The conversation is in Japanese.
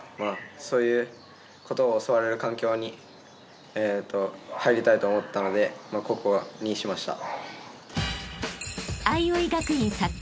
そういうことを教われる環境に入りたいと思ったのでここにしました。